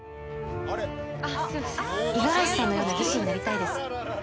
「五十嵐さんのような技師になりたいです。